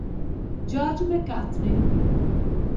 George McCartney